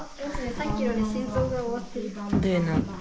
さっきより心臓が終わってる。